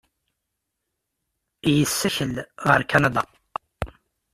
Yessakel ɣer Kanada.